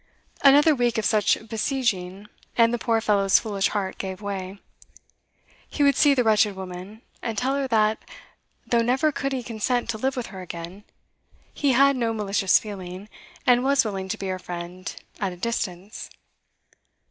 Another week of such besieging, and the poor fellow's foolish heart gave way. He would see the wretched woman, and tell her that, though never could he consent to live with her again, he had no malicious feeling, and was willing to be her friend at a distance.